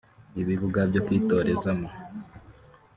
ibibuga byo kwitorezamo